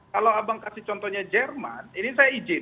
kalau abang kasih contohnya jerman ini saya izin